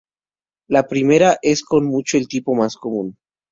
La primera es con mucho el tipo más común.